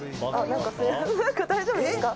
何か大丈夫ですか。